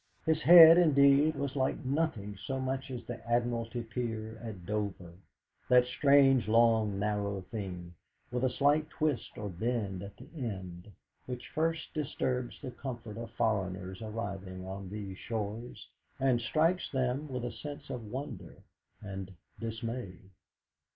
His head, indeed, was like nothing so much as the Admiralty Pier at Dover that strange long narrow thing, with a slight twist or bend at the end, which first disturbs the comfort of foreigners arriving on these shores, and strikes them with a sense of wonder and dismay.